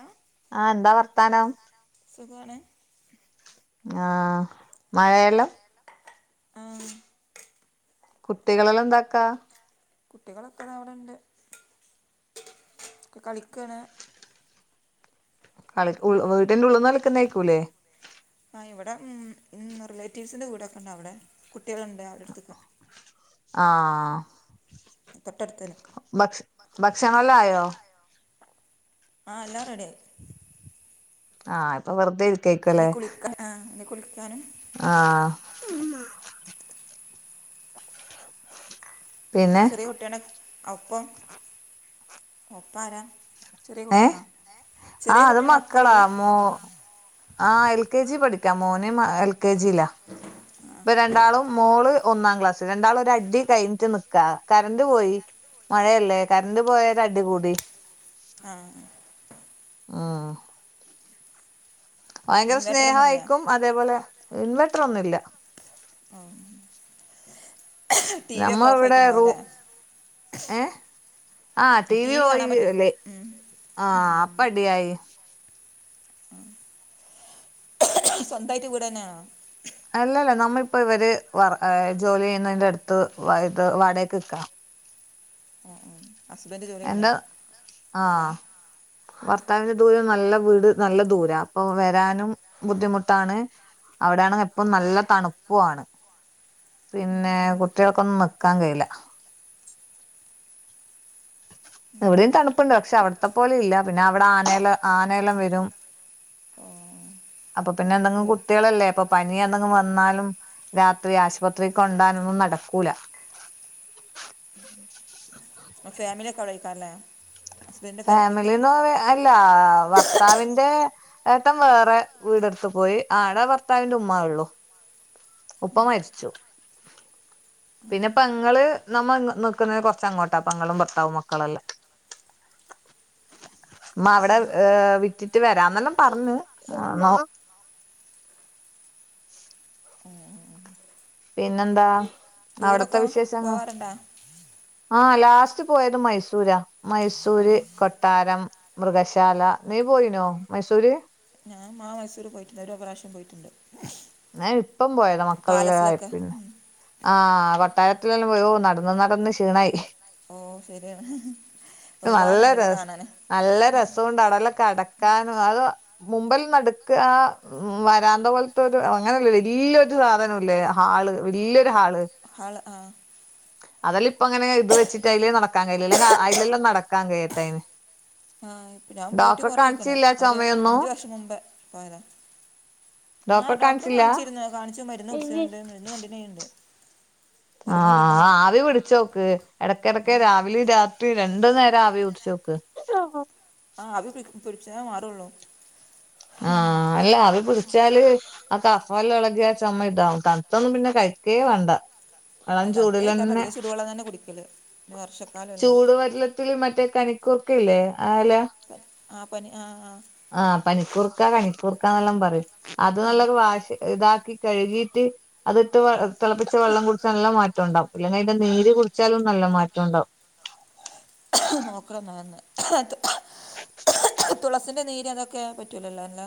ആ ആഹ് എന്താ വർത്താനം? സുഖാണ് ആഹ് മലയാളം ആഹ് കുട്ടികളെല്ലാം എന്താക്കാ കുട്ടികളൊക്കെ ദാ ഇവിടെ ഉണ്ട് കളിക്കണ് കളിക്കൂ വീട്ടിന്റെ ഉള്ളിൽ നിന്ന് കളിക്കുന്ന ആയിക്കൂല്ലേ ആഹ് ഇവിടെ ഉം ഉം റിലേറ്റീവ്സിൻ്റെ വീടൊക്കെ ഉണ്ട് അവിടെ കുട്ടികളുണ്ട് അവരുടെ അടുത്തൊക്കെ ആഹ് തൊട്ടടുത്തന്നെ ഭക്ഷ ഭക്ഷണ എല്ലാം ആയോ ആഹ് എല്ലാം റെഡിയായി ആഹ് ഇപ്പൊ വെറുതെ ഇരിക്കായിരിക്കും അല്ലേ ആഹ് ഇനി കുളിക്കാനും ആഹ് ഉമ്മാ പിന്നെ ചെറിയ കുട്ടിയാണ് ഒപ്പം ഒപ്പം ആരാ ചെറിയ ഏഹ് കുട്ടിയാണോ ചെറിയ ആഹ് അത് കുട്ടിയാണോ ഒപ്പം മക്കളാ ഉള്ളത് മോ ആഹ് എൽ കെ ജി പഠിക്കാ മോനെ എൽ കെ ജിയിലാ [inaudible] ഇപ്പൊ രണ്ടാളും മോള് ഒന്നാം ക്ലാസ് രണ്ടാളും ഒരു അടി കഴിഞ്ഞിട്ട് നിക്കാ കറണ്ട് പോയി മഴയല്ലേ കരണ്ട്റ് പോയ ഒരടികുടി. ആഹ് ആഹാ ഭയങ്കര ഇൻവെർട്ടറൊന്നും ഇല്ല സ്നേഹായിക്കും അതേപോലെ ഇൻവെർട്ട്ര ഒന്നുല്ല. ഉം നമ്മ ഓഫ് ഇവിടെ ആയിട്ടുണ്ടാവും റൂ. അല്ലേ ഏഹ് ആഹ് ടി വി ഓയില്ല് ആ അപ്പ അടിയായി. സ്വന്തായിട്ട് വീട് തന്നാണോ അല്ലല്ല നമ്മളിപ്പ ഇവര് വ ജോലി ചെയ്യുന്നേന്റെ അടുത്ത് [unintelligible] വാടകക്ക് നിക്ക ഉം ഉം ഹസ്ബൻഡ് ജോലി ചെയ്യുന്നെ എന്റെ ആവുല്ലെ ആഹ് [unintelligible] ഭർത്താവിന്റെ ദൂരം നല്ല വീട് നല്ല ദൂര. അപ്പൊ വരാനും ബുദ്ധിമുട്ടാണ്. അവിടെ ആണെങ്കി എപ്പം നല്ല തണുപ്പു ആണ്. പിന്നെ കുട്ട്യേൾക്കൊന്നും നിക്കാൻ കഴിയില്ല. ഇവിടയും തണുപ്പുണ്ട് ക്ഷെ അവിടത്തെ പോലെ ഇല്ല പിന്നെ അവിടെ ആനേല ആനേലം വരും ഓ അപ്പൊ അപ്പോൾ പിന്നെ എന്തെങ്കിലും പേടി കുട്ടികളല്ലേ അപ്പൊ പനി എന്തെും വന്നാലും രാത്രി ആശുപത്രി കൊണ്ടാനൊന്നും നടക്കൂല ഉ [unintelligible] [inaudible] ഫാമിലിയ ഒക്കെ അവിടെ കരയല്ലേ ഫാമിലിന്ന് പറ അല്ല ഭർത്താവിന്റെ ഏട്ടൻ വേറെ വീടെടുത്ത് പോയി ആടെ ഭർത്താവിന്റെ ഉമ്മ ഉള്ളു ഉപ്പ മരിച്ചു പിന്നെ പെങ്ങള്ള് നമ്മ നക്കുന്നത് കൊറച്ചങ്ങോട്ടാ പങ്ങളും ഭർത്താവും മക്കളുംല്ലാം അ അവിടെ വിട്ടിട്ട് വരാംന്നെല്ലാം പറ ഞ് [unintelligible] [inaudible] പിന്നെന്താ അവിടത്തെ ടൂറൊക്കെ വിശേഷങ്ങൾ പോവാറുണ്ടോ ആഹ ലാസ്റ്റ് പോയത് മൈസൂരാ ആ മൈസൂര് കൊ- കൊട്ടാരം മൃഗശാല നീ പോയിനോ മൈസൂര് ഞാൻ മാ മൈസൂർ പോയിട്ടുണ്ട് ഒരുപ്രാവശ്യം പോയിട്ടുണ്ട് ഞൻ ഇപ്പം പോയതാ മക്കളല്ലാം ആയെ പാലസിലൊക്കെ പിന്നെ ഉം. ആഹ കൊട്ടാരത്തിലെല്ലാം പോ നടന്ന് നടന്ന് ക്ഷീണായി ഓ ശരിയാണ് പക്ഷെ നല്ല ഒരുപാടുണ്ടല്ലോ രസ കാണൻ നല്ല രസം കൊണ്ട് അടലൊക്കെ അടക്കാനും അത് മുമ്പിൽ നടുക്കു ആ ഉ വരാന്ത പോലത്തെ അങ്ങനല്ല വല്യരു സാധനംല്ലേ ഹാള് വല്യൊരു ഹാള് ഹള ആഹ അതല്ല ഇപ്പ അങ്ങനെ ഇത് വെച്ചട്ട് അതിലേ നടക്കാൻ കഴയില്ല അലെല്ലാം നടക്കാ കിയട്ടതിന് ആഹ് ഇപ്പൊ ഞാൻ പോയിട്ട് കൊറ ഇക്കണ കാണിച്ചില്ല ആ ഒരു ചുമയൊന്നും അഞ്ചു വർഷം മുമ്പ് പോയതാ ആ ഡോക്ടറെ ഡോക്ടർ കാണിച്ചില്ല കാണിച്ചിരുന്നു കാണിച്ചു മരുന്ന് കൂടിച്ചിണ്ട് മരുന്ന് കണ്ടിന്യൂ ചെയ്യേണ്ട ആഹ ആവി പിടിച്ചോക്ക് ഇടക്ക ഇടക്ക് രാവിലെ രാത്രി രണ്ട നേരം ആവി പിടിച്ചോക്ക് ആഹ് ആവി പിടിച്ച മാറള്ളൂ ആഹ അല്ല അത് പിടിച്ചാല് ആ കഫ എല്ലാം ഇളകിയാ ചുമ ഇതാവും തണുത്തൊന്നും പിന്നെ കഴിക്കേ വേണ്ട ഇളം അത് തണു കാരണം ചൂടിലന്നെ അതികം ചുടു വെള്ളം തന്നെ കുടിക്കല് ഇനി വർഷക്കാലമല്ലേ ചൂടുവെള്ളത്തി മറ്റേ കനിക്കൂർക്ക ഇല്ലേ ആ എല ആ പനി ആ ആ ആഹ പനിക്കൂർക്ക കണിക്കൂർക്കാന്നെല്ലാം പറയും അത് ആ നല്ലൊരു വാഷ് ഇതാക്കി കഴുകിയിട്ട് അത്ട്ട് തിളപ്പിച്ച വെള്ളം കുടിച്ചെല്ലാം മാറ്റം ഉണ്ടാാവും അല്ലെങ്ക അയിന്റെ നീര് കുടിച്ചാലും നല്ല മാറ്റം ഉണ്ടാവും നോക്കണംന്ന് തുളസിന്റെ നീര് ഒക്കെ പറ്റില്ലല്ലോ അല്ല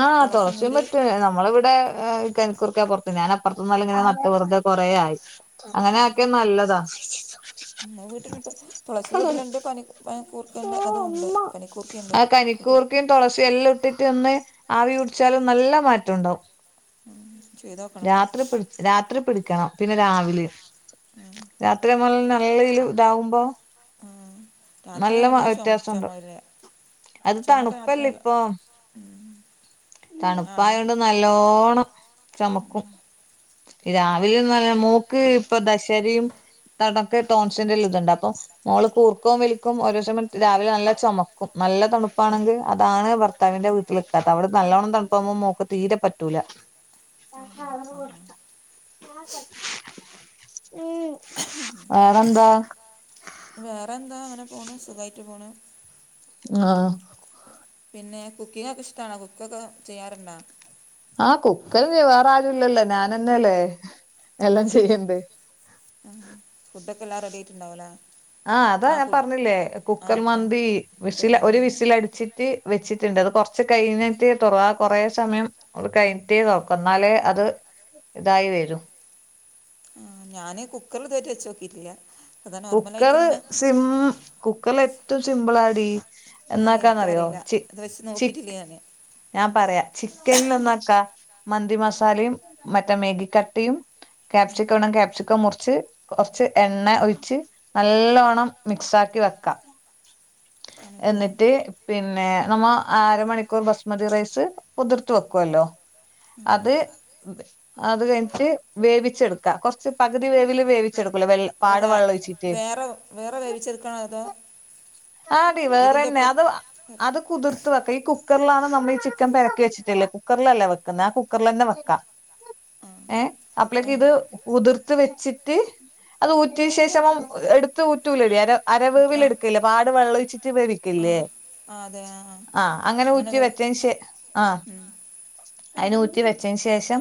ആ തുളസി തുളച്ചും നീര് പറ്റും നമ്മള ഇവിടെ എനിക്കൂറക്കെ പുറത്ത് ഞൻപ്പറത്തുന്ന അെങ്ങന നട്ട വറുതെ കുറ ആായി അങ്ങനെയൊക്കെ നല്ലതാ ഉ വീട്ടന് ഇപ്പ തുളസി വീട്ടിലുണ്ട് പനി കൂർക്കണ്ട് അതും ഉണ്ട് പനിക്കൂർക്കിയുണ്ട് വീട്ടിൽ തുളസി എല്ലാം ഇട്ടിട്ട് ഒന്ന് ആവി കുടിച്ചാലും നല്ല മാറ്റം ഉണ്ടാാവും ഉം, ചെയ്ത് നോക്കണം രാത്രി പിടി- രാത്രി പിടിക്കണം പിന്നെ രാവിലെ ഉം, രാത്രി നല്ലതിൽ ഇതാവുമ്പോ [unintelligible] ഉം. രാത്രി നല്ല ചുമ വ്യത്യാസംണ്ടോ ചുമ ഇല്ലേ അത് ചുമ ഒക്കെ രാത്രി തണുപ്പല്ല നല്ല ഇപ്പൊ ആ തണുപ്പായ അതാണ് കൊണ്ട് നല്ലോണം ചമക്കും രാവിലെ നല്ല മോക്ക് ഇപ്പ ദശരയും തടൊക്കക്ക് ടോൺസിന്റെറെല്ല ഇതുണ്ട് അപ്പം മോള് പൂർക്കവും വലിക്കും ക്കും ഓരോ സമം രാവിലെ നല്ല ചുമക്കും നല്ല തണുപ്പാണെങ്കിൽ അതാണ് ഭർത്താവി്റെ വീട്ടൽ ക്കാത്ത അവിടെ നല്ലോണ്ണം തണുപ്പകുമ്പോ മോക്ക് തീരെ പറ്റൂല. ആ ആ ആ ആ വേറെന്താ? വേറെന്താ ഇങ്ങനെ പോണ് സുഖായിട്ട് പോണ്. ആഹ് പിന്നെ കുക്കിങ്ങൊക്കെ ഇഷ്ട്ടാണോ കുക്കൊക്കെ ചെയ്യാറ്ണ്ടാ? ആഹ് കുക്കറ് വാേറാരുല്ലല്ലോ ഞാനന്നെല്ലേ എല്ലാം ചെയ്യെണ്ടെ ഫുഡ്ഡാെക്കെല്ലാം റെഡ്യായിട്ട്ണ്ടാവുലെ ആഹ് അതാ ഞാൻ പറഞ്ഞില്ലേ കുക്കർ അതെ മന്തീ വിശില് ഒര് കുറുമന്തിയാ വിശിലടിച്ചി തി വെച്ചിട്ടുണ്ട് അത് കൊറച്ച് കഴിഞ്ഞിട്ട് തുറവാ കുറെ സമയം നമ്മള് കഴിഞ്ഞിട്ടേ തോറക്കു എന്നാലേ അത് ഇതായി വരും. ആ ഞാന് കുക്കറിൽ ഇതോടറ്റ് വെചോക്കിട്ടില്ല. കുക്കർ സിം കുക്കറിൽ ഏറ്റവും സിമ്പിൾളടി. ആ എന്നാക്കാന്നറിയോ എനിക്കറിയില്ല ചി ഇത് വെച്ച് ചിക്. നോക്കിയിട്ടില്ല ഞാന് ഞാൻ പറയാ ചിക്കന് ഒന്നാക്ക മന്തി മസാലയും മറ്റേ മേഗി കട്ടിയും ക്യാപ്സിക്കോ വണം ക്യാപ്സിക്കോ മുറിച്ച് കുറച്ച് എണ്ണ ഒഴിച്ച്. നല്ലോണം മിക്സ് ആക്കി വെക്കാം. നമുക്ക് എന്നിട്ട് പിന്നെ നമ്മ അര മണിക്കൂർ ബസ്മതി റൈസ് പുതിർത്ത വെക്കുല്ലോ അത് അത് കഴിഞ്ഞിട്ട് വേവിച്ചെടുക്ക കൊറച്ച് പകുതി വേവിൽ വേവ വെടുക്ക വെ അത് പാട് വേ വെം ഒഴിച്ചിട്ട് വേറെ വേറെ വേവിച്ചെടുക്കണോ അതോ ആടി ഇതിൻ്റെ വേറെന്നെ ഒപ്പം അത് അത് കുതിർത്ത വെക്ക ഈ ക്കു കുക്കറിലാണ് നമ്മൾ ഈ ചിക്കൻ പിരക്കി വെച്ചിട്ടില്ലേ കുക്കറിലല്ലേ വെക്കുന്നത് ആ കുക്കറിലെന്നവെക്കാം. ആ ഏഹ് കുക്ക് ആ അപ്പളേക്കിത് ഉതിർത്ത് വെച്ചിട്ട് അത് ഊറ്റിയ ശേഷം എടുത്ത് ഊറ്റലടി അന മറ്റേ- അരവേവില് ആ എടുക്കില്ലേ പാട് വെള്ള ഒഴിച്ചിട്ട് ആ വേവിക്കില്ലേ ആ അങ്ങനെ ഊറ്റി വെച്ച ശേ ആ അയിന് ഊറ്റി വെച്ചതിന് ശേഷം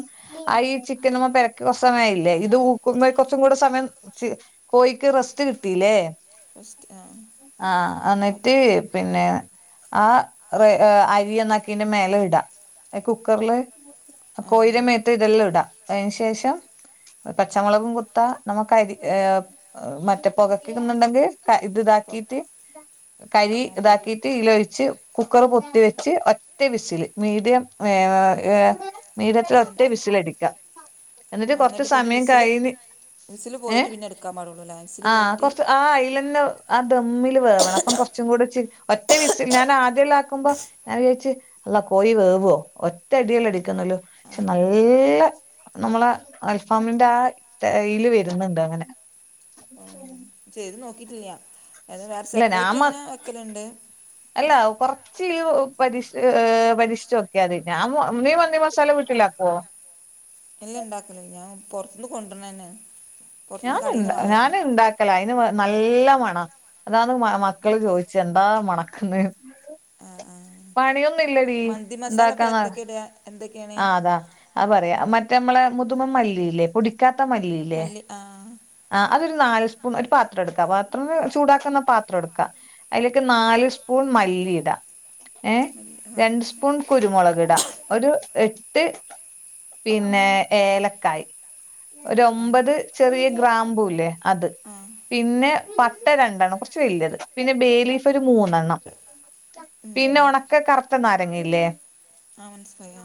ആഹ് ഈ ചിക്കൻമ്മ [inaudible] [unintelligible] ഇല്ലേ ഇത് ഊക്കുമ്പ കുറച്ചും കൂടെ സമയം കോയി ക്ക് റസ്റ്റ് കിട്ടീല്ലേ? റസ്റ്റ് ആ ആഹ അപ് അന്നിറ്റ് പിന്നെ ആ അരി ന്നാക്കിന്റെ മേലെ ഇടാം കുക്കറില് കോയിടമേത്ത് ഇതെല്ലാം ഇടാം അയ്ന്ന് ശേഷം പച്ച മൊളകും കുത്ത നമുക്ക് അരി ഏ മറ്റേ പൊകക്ക്ന്ന്ണ്ടെങ്കി ക ഇത് അപ്പം താക്കീട്ട് കരി അപ്പം താക്കീട്ട് ഇലൊഴിച്ച് കുക്കർ പൊത്തിവെച്ച് ഒറ്റ വിസിൽ മീഡിയം ഏ ഏ മീഡത്തിൽ ഒറ്റ എൻ- വിസിലടിക്ക എന്നിട്ട് ആ, കൊറച്ച് പിന്നെ സമയം വിസിൽ കഴിഞ് വിസിൽ ഏ പോയിട്ട് പിന്നെ എടുക്കാൻ പാടുള്ളൂ അല്ലേ വിസിൽ ആഹ് പോയിട്ട് കൊറച്ച് ആ അയ്ലന്ന ദമ്മില് വേവണം അപ്പം കൊറച്ചും കൂടി ചി ഒറ്റ വിസി ഞാൻ ആദ്യല്യ ആാക്കുമ്പോ ഞാൻ വിചാച്ച് അള്ളാ കോയി വേവോ ഒറ്റ അടി അല്ലേ അടിക്കുന്നൊള്ളൂ ആ, പക്ഷെ നല്ല നമ്മള അൽഫാമിന്റെ ആ [unintelligible] യില് വെര്ന്ന്ണ്ട് അങ്ങനെ. ഉം. ചെയ്ത് നോക്കിട്ടില്ല്യ വേറെ ഇല്ല ഞാൻ സെപ്പറേറ്റ് മ അങ്ങനെ വെക്കലണ്ട്. അല്ല കൊറച്ച്യ്യു പരീക്ഷ് പരിശിച്ചോക്കെയാതി ഞാൻ നീ മന്തി മസാല വി ല പ്പോ? എല്ല ഇണ്ടാക്കലില്ല ഞാൻ പൊർത്ത്ന്ന് കൊണ്ടര്ണന്നെ. ഞാന്ണ്ടാ ഞാന്ണ്ടാക്കി ല അയിന് നല്ല മണാ അതാന്ന് മ മക്കള് ചോയ്ച്ചെ എന്താ മണക്ക്ന്നെ? ആഹ് ആഹാ പണിയൊന്നും ഇല്ലടി.. മന്തി മസാല ഇപ്പൊ എന്തൊക്കെയ ഇടാ ആ് അതാ അത് പറയാ മറ്റേമ്മളെ മുതുമ മല്ലില്ലേ പൊടിക്കാത്ത മല്ലി.. മല്ലി ആ.. ആ അതൊരു നാല് സ്പൂൺ ഒരു പാത്രം എടുക്കാ പാത്രം ചൂടാക്കുന്ന പാത്രം എടുക്കാ... അതിലേക്ക് നാല് സ്പൂൺ മല്ലി ഇടാ ഏ മല്ലി ആ രണ്ട് സ്പൂ ൺ കുരുമുളകിട ഒരു എട്ട് പിന്നെ ഏലക്കായ്. ഒരു ആ ഒമ്പത് ചെറിയ ഗ്രാംമ്പൂല്ലേ അത് ആ പിന്നെ പട്ട രണ്ടണ്ണം കുറച്ച് വല്യത് പിന്നെ ബേ ലീഫ് ഒരു മൂന്നെണ്ണം ഉം, പിന്നെ ഉം. ഉണക്ക കറുത്ത നാരങ്ങയില്ലേ ആ മനസ്സിലായി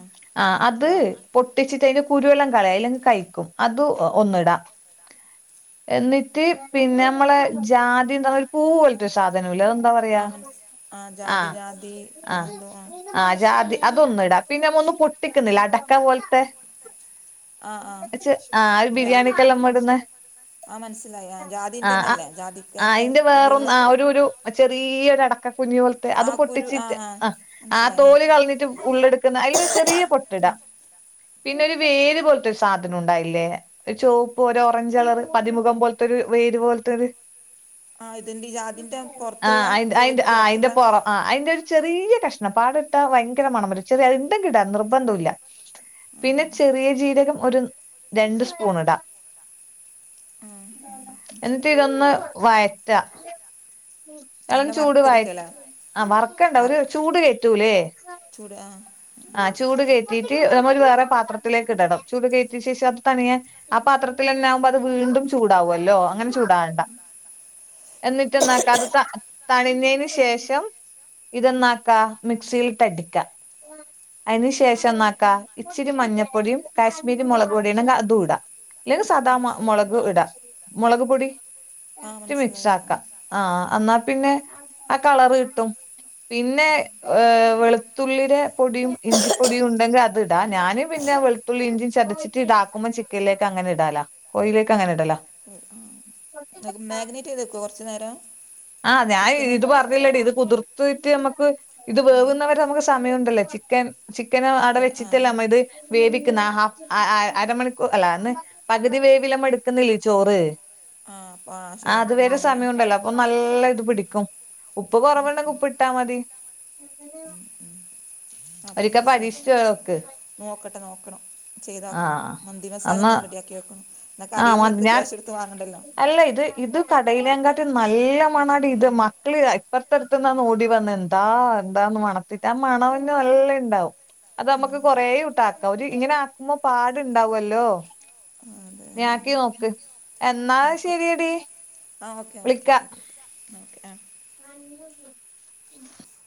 ആ അത്.. ആ പൊട്ടിച്ചിട്ട്അ തിന്റെ കുരുവെല്ലാം കളയ് അല്ലെങ്കിൽ കയ്ക്കും അത് ഒന്ന്‌ ഇടാ.. എന്നിട്ട് പിന്നെ മ്മളെ ജാതി എന്ന്‌ പറ യുന്ന ഒരു പൂ പോലത്തൊരു സാധനി ല്ലേ അ ത് എന്താ പറ ആ മ ന ആഹ ജാതി ജാതി പോല എന്തോ ആണ് ആഹ ജാതി അതൊന്ന്‌ ഇടാ പിന്നെ നമ്മ ഒന്നും പൊട്ടിക്കുന്നില്ലേ അടക്കാപോലത്തെ.. ആ ആ അ ആ ഒരു ബിരിയാണിക്കെല്ലാംമ്മടന്നെ ആഹ മനസ്സിലായി ജാതിന്റെ ന്നല്ലേ ജാതിക്കന്റെ ഉള്ളിലു ള്ളകു രു ഒരു ചെറിയൊ ര ടക്ക.. കുഞ്ഞു പോലത്തെ അതും പൊട്ടിച്ചിട്ട് ആ ആ തോല് കളഞ്ഞിട്ട് ഉള്ളെടുക്കുന്ന അതില് ഒരു ചെറിയ.. പൊട്ടിട പിന്നെ ഒരു വേര് പോലത്തെ സാധന ഉണ്ടായില്ലേ ഒരു ചോപ്പ്. ഒ രോ. ഓറഞ്ച് കളറ് പതിമുഖം പോലത്തൊരു വേര് പോലത്തെ ഒരു ആ ഇതിൻ്റെ ഈ ജാതിൻ്റെ ആ പുറത്തുള്ള അ അയിന്റെ തോലിൻ്റെ ആ അയിന്റെ പുറത്തുള്ള ആ പൊറം ആഹ് അതിന്റെ ഒരു ചെറിയ കഷ്ണം പാടാട്ടാ ഭയങ്കര മണം വരും ചെറിയ അത്ണ്ടെങ്കിൽ ഇടാം നിർബന്ധം ഇല്ല പിന്നെ ചെറിയ ജീരകം ഒരു രണ്ട് സ്പൂൺ ഇടാം.. ഉം, എന്നിട്ട് മനസ്സിലായി ഇതൊന്ന് വഴ റ്റ.. ഇ ളൻ നല്ല ചൂട് വ ഴ വറുത്തെടുക്കല്ലേ ആ വറക്കണ്ട ഒരു ചൂട് കയറ്റൂല്ലേ കുട [inaudible] ആഹ ചൂട് കയറ്റീയിട്ട് നമ്മ ഒരു വേറെ പാത്രത്തിലേക്ക് ഇടണം ചൂട് കയറ്റിയ ശേഷം അത് തണിയാ ആ പാത്രത്തി... ൽ പി ന്നെ ആകുമ്പോ അത് വീണ്ടും ചൂടാവല്ലോ അങ്ങനെ ചൂടാവണ്ട എന്നിട്ട് ന ല്ല അത് തണി ന്ന തിന് ശേഷം ഇതെന്നാക്ക മിക്സിയിൽ ഇട്ടടിക്ക അയി ന് ശേഷംന്നാക്കാ ഇച്ചിരി മഞ്ഞൾപ്പൊടിയും കാശ്മീരി മുളക് പൊടിയും ഉണ്ടെങ്കി അതൂടാ അല്ലെങ്കിൽ സാദാ മുളക് ഇട മുളക് പൊടി ആ മിക്സ് മനസ്സിലായി ആ ആക്കാം ആഹ എന്നാൽ പിന്നെ ആ കളറ് കിട്ടും പിന്നെ വെളുത്തുള്ളിടെ പൊടിയും ഇഞ്ചിപ്പൊടിയും ഉണ്ടെങ്കിൽ അത്ടാ ഞാന് പിന്നെ വെള വെ തുള്ളിഞ്ചി ചതച്ചിട്ട് ഇടതാ ക്കുമ്പോ ചിക്കലിലേക്ക് അങ്ങനെ ഇടാലാ കോയിലേക്ക് അങ്ങനെ ഇടലാ ആഹ [inaudible] മാഗ്നേറ്റ് ചെയ്തക്കു കുറച്ചു നേരം ആ ഞാൻ ചിക്കന് ഇത് പറ.. അതല്ലടി ഇത് കുതിർത്തിട്ട് നമുക്ക് ഇത് ആ വേവുന്നവരെ നമുക്ക് സമയംണ്ടല്ലോ ചിക്കൻ ചിക്കന് അട ചിക്കൻ ആ വെച്ചിട്ടല്ലേ നമ്മ ഇത് വേവിക്കുന്നഹാ ഫ് അരമണിക്കൂർ അല്ല അന്ന് പകുതി വേവിലമ്മ എടുക്കുന്നില്ല ചോറ് ആ ആ അപ്പോൾ ആ ശരി അത് എന്നിട്ട് വരെ പിന്നെയത് സമയംണ്ടല്ലോ അപ്പൊ നല്ല ഇത് പിടിക്കും ഉപ്പ് കൊറവുണ്ടെങ്കിൽ ഉപ്പ് ഇട്ടാ മതി അപ്പ ഒരിക്ക മനസ്സിലായി പരീക്ഷിച്ച് നോക്ക് നോക്കട്ടെ നോക്കണം ചെയ്തോക്കണം ആഹ് അന്നാ മന്തിമസലൊന്ന് റെഡിയാക്കി വെക്കണം ന്നൊക്കെ ആഹ് മതി കടീന്ടുത്ത് ഞാൻ ക്യാഷ്ടുത്ത് വാങ്ങണ്ടല്ലോ അല്ല ഇത് ഇത് കടയിലേങ്ങാട്ടി നല്ല മണാടി ഇത് മക്കള് ഇപ്പറത്തെ ഇന്നാ ഓടി വന്ന എന്താ എന്താന്ന് മണത്തിററ്റ് ആ മണന്നും എല്ലാം ഉണ്ടാവും.. അത് നമ്മുക്ക് കൊറേട്ട് ആക്കാം ഒരു ഇങ്ങനെ ആക്കുമ്പോ പാടുണ്ടാവല്ലോ അതെ ണ്ടാ ക്കി നോക്ക് എന്നാ നോക്കാം ശെരിയടി ആ ഓക്കെ ഓക്കെ ശരി ഓക്കെ ഓക്കെ ആ ആ